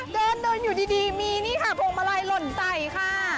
เดินเดินอยู่ดีมีนี่ค่ะพวงมาลัยหล่นใส่ค่ะ